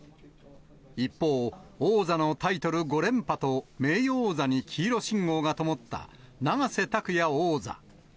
一方、王座のタイトル５連覇と名誉王座に黄色信号がともった永瀬拓矢王座。